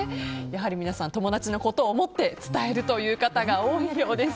やはり皆さん友達のことを思って伝えるという方が多いようです。